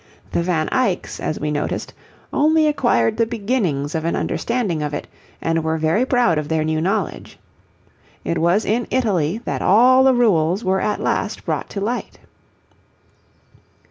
The Van Eycks, as we noted, only acquired the beginnings of an understanding of it, and were very proud of their new knowledge. It was in Italy that all the rules were at last brought to light.